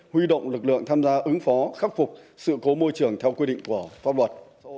huy động lực lượng tham gia ứng phó khắc phục sự cố môi trường theo quy định của pháp luật